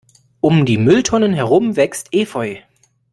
Um die Mülltonnen herum wächst Efeu.